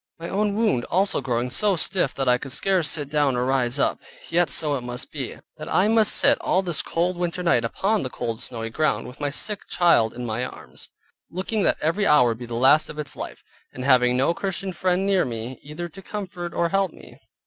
My own wound also growing so stiff that I could scarce sit down or rise up; yet so it must be, that I must sit all this cold winter night upon the cold snowy ground, with my sick child in my arms, looking that every hour would be the last of its life; and having no Christian friend near me, either to comfort or help me.